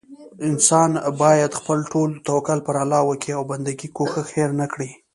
انسان بايد خپل ټول توکل پر الله وکي او بندګي کوښښ هير نه کړي